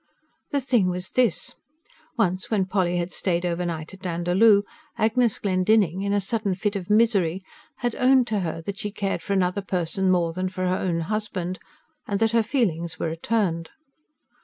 The thing was this: once when Polly had stayed overnight at Dandaloo Agnes Glendinning in a sudden fit of misery had owned to her that she cared for another person more than for her own husband, and that her feelings were returned.